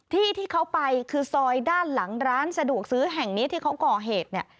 ที่เขาไปคือซอยด้านหลังร้านสะดวกซื้อแห่งนี้ที่เขาก่อเหตุเนี่ย